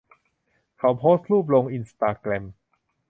เขาโพสต์รูปลงอินสตาแกรม